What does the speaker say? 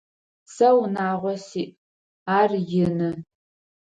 Сэ унагъо сиӏ, ар ины.